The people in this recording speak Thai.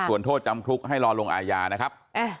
ส่วนโทษจำคุกให้รอลงอาญานะครับ